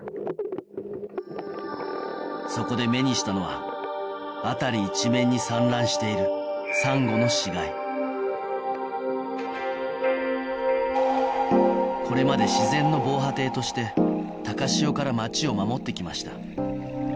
そこで目にしたのは辺り一面にこれまで自然の防波堤として高潮から街を守って来ました